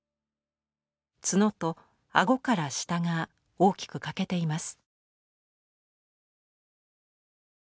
角と顎から下が大きく欠けています。